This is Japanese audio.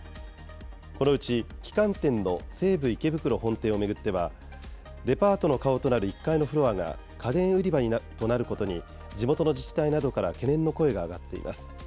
このうち旗艦店の西武池袋本店を巡っては、デパートの顔となる１階のフロアが家電売り場となることに地元の自治体などから懸念の声が上がっています。